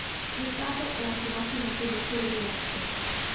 Lo Stato è anche un ottimo produttore di latte.